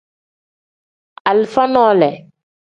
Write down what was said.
Alifa nole.